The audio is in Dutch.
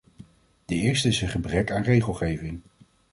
De eerste is een gebrek aan regelgeving.